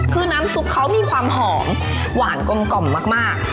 คือน้ำซุปเขามีความหอมหวานกลมกล่อมมาก